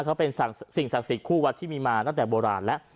เขาเป็นสิ่งศักดิ์สิทธิคู่วัดที่มีมาตั้งแต่โบราณแล้ว